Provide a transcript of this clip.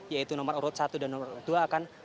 yaitu nomor urut satu dan nomor dua akan